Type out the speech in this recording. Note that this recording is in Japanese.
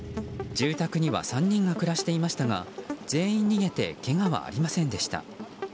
住宅には３人が暮らしていましたが、全員逃げてけがはありませんでした。